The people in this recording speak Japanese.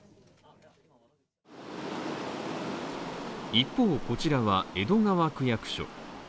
一方こちらは、江戸川区役所。